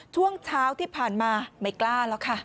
ช่วงเช้าที่ผ่านมาไม่กล้าแล้วค่ะ